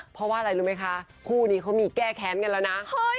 เพราะว่าอะไรรู้ไหมคะคู่นี้เขามีแก้แค้นกันแล้วนะ